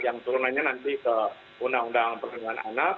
yang turunannya nanti ke undang undang perlindungan anak